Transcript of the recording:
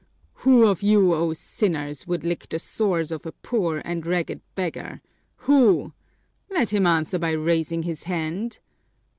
"Who of you, O sinners, would lick the sores of a poor and ragged beggar? Who? Let him answer by raising his hand!